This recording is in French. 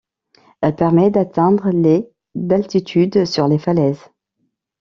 Elle permet d’atteindre les d’altitude sur les falaises.